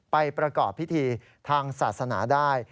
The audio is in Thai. ประกอบพิธีทางศาสนาได้